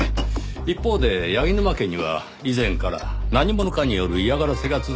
一方で柳沼家には以前から何者かによる嫌がらせが続いていました。